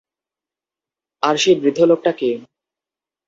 আর সেই বৃদ্ধ লোকটা কে?